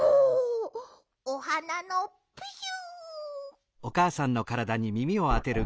おはなのプシュ。